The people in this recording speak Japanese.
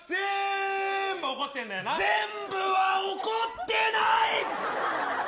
全部は怒ってない。